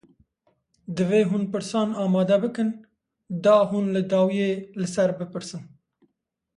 Divê hûn pirsan amade bikin, da hûn li dawiyê li ser bipirsin